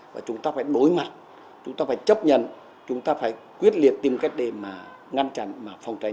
và chúng ta phải đối mặt chúng ta phải chấp nhận chúng ta phải quyết liệt tìm cách để mà ngăn chặn và phòng tránh